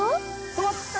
止まった！